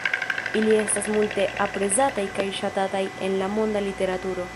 Ili estas multe aprezataj kaj ŝatataj en la monda literaturo.